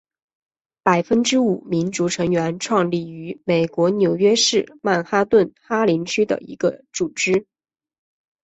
百分之五民族成员创立于美国纽约市曼哈顿哈林区的一个组织。